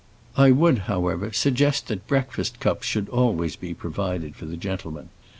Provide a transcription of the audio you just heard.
I would, however, suggest that breakfast cups should always be provided for the gentlemen.